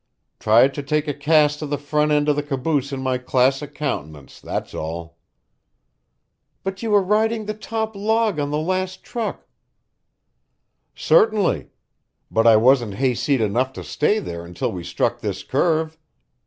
"Tried to take a cast of the front end of the caboose in my classic countenance that's all." "But you were riding the top log on the last truck " "Certainly, but I wasn't hayseed enough to stay there until we struck this curve.